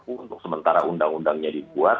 untuk sementara undang undangnya dibuat